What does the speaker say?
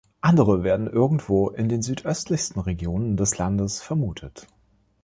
Andere werden irgendwo in den südöstlichsten Regionen des Landes vermutet.